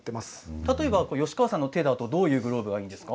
例えば吉川さんの手だとどういうグローブがいいんですか。